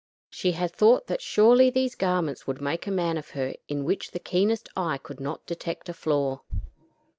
She had thought that surely these garments would make a man of her in which the keenest eye could not detect a flaw.